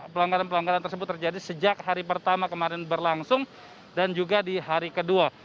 pelanggaran pelanggaran tersebut terjadi sejak hari pertama kemarin berlangsung dan juga di hari kedua